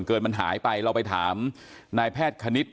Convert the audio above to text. ซึ่งไม่ได้เป็นหมอไม่ได้เป็นพยาบาลเป็นคนลงมือผ่าตัดแทนนะครับ